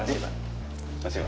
terima kasih pak